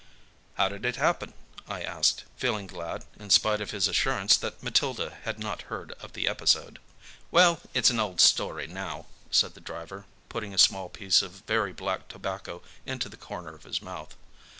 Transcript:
"How did it happen?" I asked, feeling glad, in spite of his assurance, that Matilda had not heard of the episode. "Well, it's an old story now," said the driver, putting a small piece of very black tobacco into the corner of his mouth.